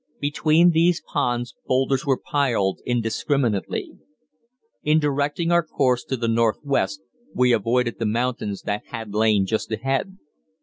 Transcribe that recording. Between these ponds boulders were piled indiscriminately. In directing our course to the northwest we avoided the mountains that had lain just ahead.